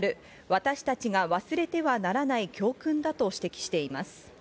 私たちが忘れてはならない教訓だと指摘しています。